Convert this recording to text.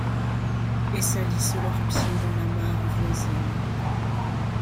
Et salissent leurs pieds dans la mare voisine.